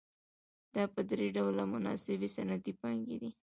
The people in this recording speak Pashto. دا په درې ډوله مناسبې صنعتي پانګې دي